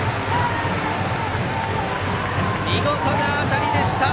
見事な当たりでした！